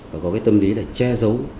và có cái tâm lý để che giấu